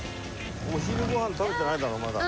お昼ご飯食べてないだろまだ。